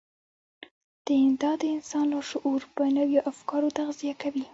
دا د انسان لاشعور په نويو افکارو تغذيه کوي.